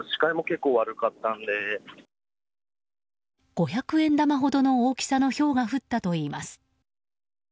五百円玉ほどの大きさのひょうが降ったといいます。